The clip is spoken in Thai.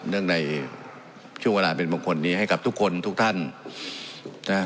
เนื่องในช่วงเวลาเป็นบางคนนี้ให้กับทุกคนทุกท่านนะฮะ